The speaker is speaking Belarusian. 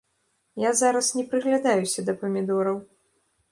Я зараз не прыглядаюся да памідораў.